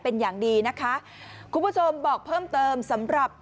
เป็นอย่างดีนะคะคุณผู้ชมบอกเพิ่มเติมสำหรับ